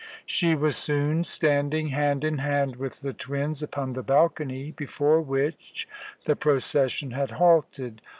She was soon standing hand in hand with the twins upon the balcony before which the procession had halted.